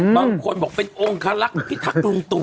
บางคนบอกว่าเป็นโอ้งคลาลักษณ์พิทักดูงตุ